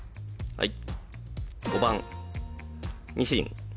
はい